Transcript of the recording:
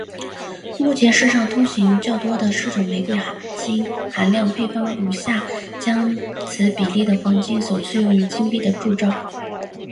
目前世上通行的较多的四种玫瑰金含量配方如下将此比例的黄金首次用于金币的铸造。